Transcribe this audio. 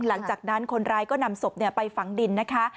หลังจากนั้นคนร้ายก็นำศพไปฝังดินนะคะ